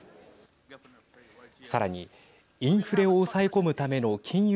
さらに、インフレを抑え込むための金融